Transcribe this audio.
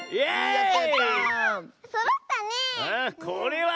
やった！